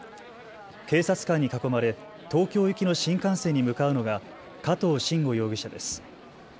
警察官に囲まれ東京行きの新幹線に向かうのが加藤臣吾容疑者です。